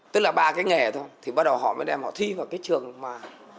tức là ba cái nghề thôi thì bắt đầu họ mới đem họ thi vào cái trường mà